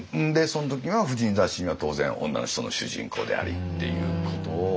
その時は婦人雑誌には当然女の人の主人公でありっていうことを。